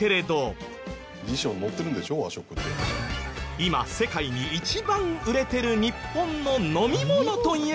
今世界に一番売れてる日本の飲み物といえば何？